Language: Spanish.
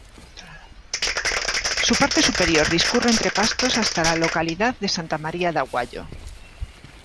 Su parte superior discurre entre pastos hasta la localidad de Santa María de Aguayo.